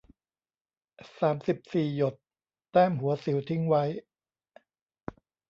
สามสิบสี่ หยด แต้มหัวสิวทิ้งไว้